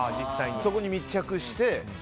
そこに密着して。